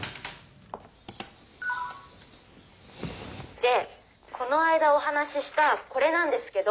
「でこの間お話ししたこれなんですけど」。